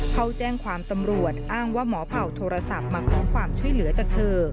เขาแจ้งความตำรวจอ้างว่าหมอเผ่าโทรศัพท์มาขอความช่วยเหลือจากเธอ